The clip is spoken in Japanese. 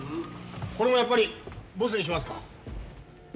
これもやっぱりボツにしますか？